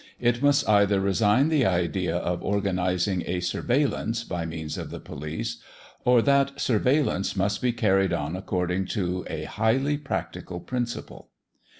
It must either resign the idea of organising a surveillance by means of the police, or that surveillance must be carried on according to a highly practical principle.